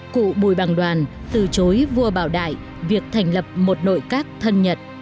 cụ bùi bằng đoàn từ chối vua bảo đại việc thành lập một nội các thân nhật